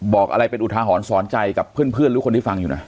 บอกอะไรเป็นอุทาหรณ์สอนใจกับเพื่อนหรือคนที่ฟังอยู่นะ